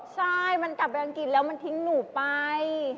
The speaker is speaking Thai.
ใช่มันกลับไปอังกฤษแล้วมันทิ้งหนูไป